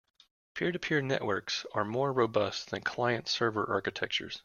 Peer-to-peer networks are more robust than client-server architectures.